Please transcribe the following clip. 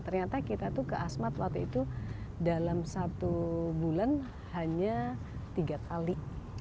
ternyata kita tuh ke asmat waktu itu dalam satu bulan hanya tiga kali